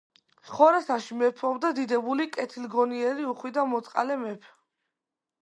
ხორასანში მეფობდა დიდებული, კეთილგონიერი, უხვი და მოწყალე მეფ